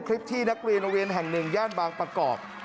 คลิปที่นักเรียนโรงเรียนแห่งหนึ่งย่านบางประกอบ